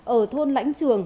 ở thôn lãnh trường